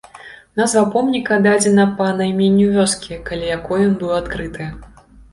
Назва помніка дадзена па найменню вёскі, каля якой ён быў адкрыты.